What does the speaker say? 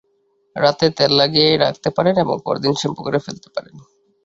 রাতে তেল লাগিয়ে রাখতে পারেন এবং পরদিন শ্যাম্পু করে ফেলতে পারেন।